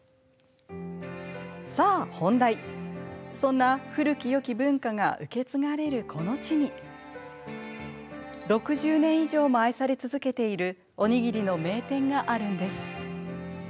さあ本題、そんな古きよき文化が受け継がれるこの地に６０年以上も愛され続けているおにぎりの名店があるんです。